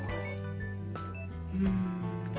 うん。